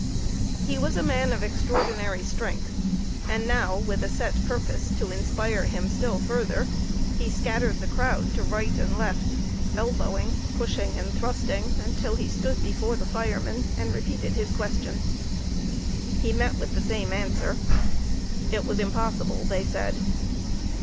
He was a man of extraordinary strength, and now with a set purpose to inspire him still further, he scattered the crowd to right and left, elbowing, pushing, and thrusting, until he stood before the firemen and repeated his question. He met with the same answer. "It was impossible," they said.